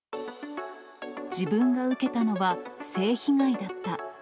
自分が受けたのは性被害だった。